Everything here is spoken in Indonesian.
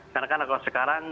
karena kalau sekarang